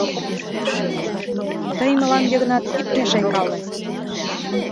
— Тый мылам, Йыгнат, ит мешайкале!